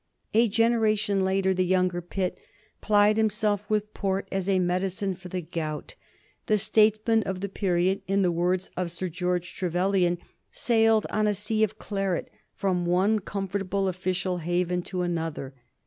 A generation later the younger Pitt plied himself with port as a medicine for the gout. The statesmen of the period, in the words of Sir George Trevelyan, sailed on a sea of claret from one comfortable official haven to another.